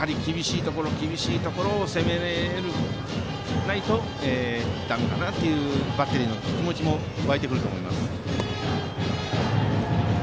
厳しいところを攻めないとだめかなというバッテリーの気持ちも湧いてくると思います。